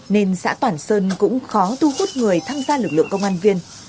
nên xã toàn sơn cũng khó thu hút người tham gia lực lượng công an viên